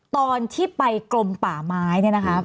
ตอนที่ไปกลมป่าไม้